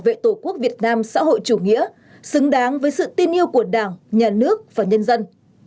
đặc biệt là bảo vệ tổ quốc việt nam xã hội chủ nghĩa xứng đáng với sự tin yêu của đảng nhà nước và nhân dân